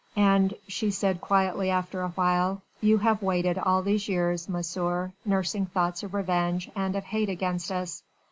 "And," she said quietly after awhile, "you have waited all these years, Monsieur, nursing thoughts of revenge and of hate against us.